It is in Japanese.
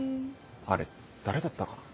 あれ誰だったかな？